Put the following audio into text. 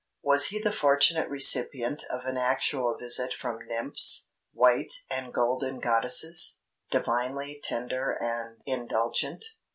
Was he the fortunate recipient of an actual visit from nymphs, white and golden goddesses, divinely tender and indulgent?